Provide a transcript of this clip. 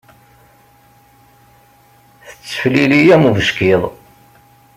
Tetteflili am ubeckiḍ.